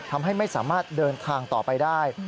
ทำให้ไม่สามารถเดินทางต่อไปได้